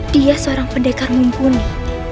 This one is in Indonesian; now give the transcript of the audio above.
dia seorang pendekar mumpuni